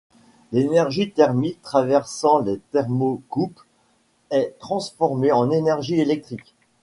L'énergie thermique traversant les thermocouples est transformée en énergie électrique.